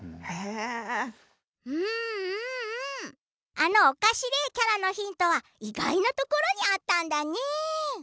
あのおかしれえキャラのヒントは意外なところにあったんだね。